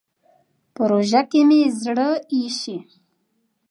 په روژه کې مې زړه اېشي.